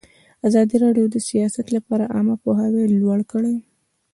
ازادي راډیو د سیاست لپاره عامه پوهاوي لوړ کړی.